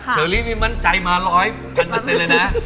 เชอรี่มีมั่นใจมา๑๐๐๐๐๐เปอร์เซ็นเลยมา